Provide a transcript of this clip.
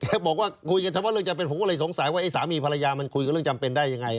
บอกว่าคุยกันเฉพาะเรื่องจำเป็นผมก็เลยสงสัยว่าไอ้สามีภรรยามันคุยกับเรื่องจำเป็นได้ยังไง